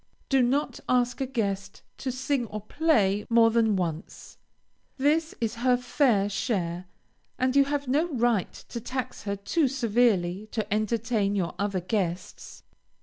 Do not ask a guest to sing or play more than once. This is her fair share, and you have no right to tax her too severely to entertain your other guests.